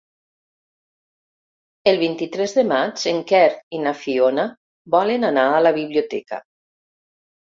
El vint-i-tres de maig en Quer i na Fiona volen anar a la biblioteca.